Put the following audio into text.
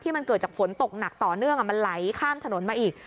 มันเกิดจากฝนตกหนักต่อเนื่องมันไหลข้ามถนนมาอีก